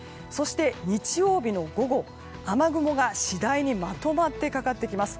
日曜日の午後、雨雲が次第にまとまってかかってきます。